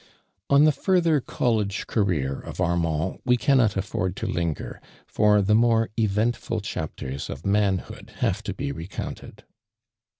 On the fartlier college career of Armaml we cannot afibnl to ling<'r, for the more eventful chapters of manhood have to be recounted.